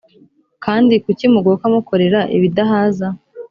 kandi kuki mugoka mukorera ibidahaza